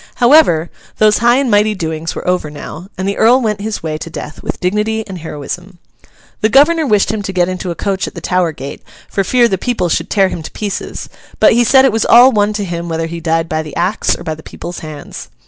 However, those high and mighty doings were over now, and the Earl went his way to death with dignity and heroism. The governor wished him to get into a coach at the Tower gate, for fear the people should tear him to pieces; but he said it was all one to him whether he died by the axe or by the people's hands.